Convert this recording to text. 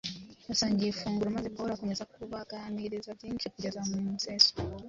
Basangiye ifunguro maze Pawulo “akomeza kubaganiriza byinshi kugeza mu museso